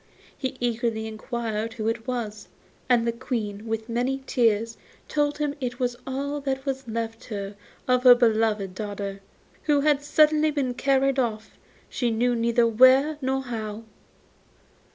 He eagerly inquired whose it was, and the Queen, with many tears, told him it was all that was left her of her beloved daughter, who had suddenly been carried off, she knew neither where nor how.